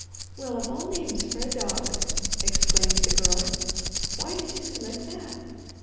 "Well of all names for a dog!" exclaimed the Girl. "Why did you select that?"